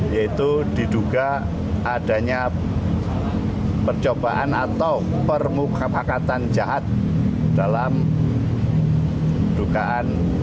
yaitu diduga adanya percobaan atau permukaan hakatan jahat dalam dukaan